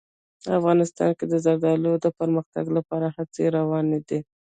افغانستان کې د زردالو د پرمختګ لپاره هڅې روانې دي.